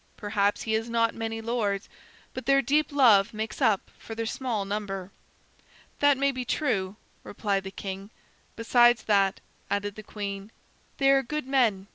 Perhaps he has not many lords, but their deep love makes up for their small number." "That may be true," replied the king. "Besides that," added the queen, "they are good men.